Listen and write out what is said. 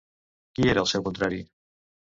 Qui era el seu contrari?